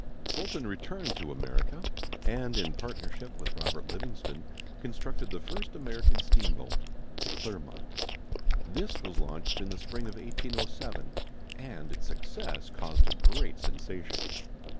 Fulton returned to America, and in partnership with Robert Livingston constructed the first American steamboat, the Clermont. This was launched in the spring of 1807, and its success caused a great sensation.